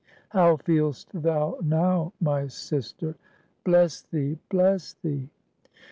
"How feel'st thou now, my sister?" "Bless thee! bless thee!"